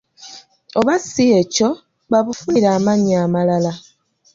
Oba si ekyo, babufunire amannya amalala.